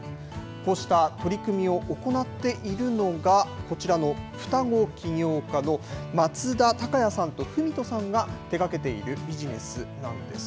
こうした取り組みを行っているのが、こちらの双子起業家の松田崇弥さんと文登さんが手がけているビジネスなんです。